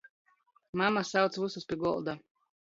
Mama sauc vysus pi golda!